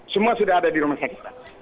semua sudah ada di rumah sakit